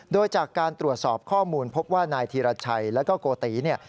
โดยจากการตรวจสอบข้อมูลพบว่านายธีรชัยแล้วก็โกติเนี่ย